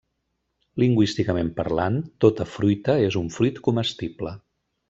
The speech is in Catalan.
Lingüísticament parlant, tota fruita és un fruit comestible.